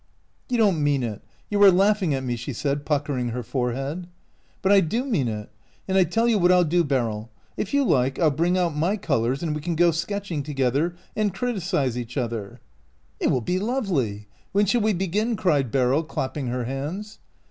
"You don't mean it! You are laughing at me," she said, puckering her forehead. " But I do mean it ; and I tell you what I '11 do, Beryl. If you like, I '11 bring out my colors, and we can go sketching together, and criticize each other." 218 OUT OF BOHEMIA " It will be lovely ! When shall we be gin? " cried Beryl, clapping her hands.